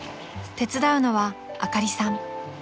［手伝うのはあかりさん］